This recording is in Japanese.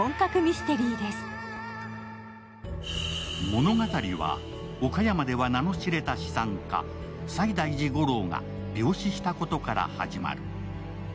物語は岡山では名の知れた資産家、西大寺吾郎が病死したことから始まる。